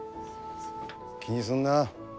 気にすんな。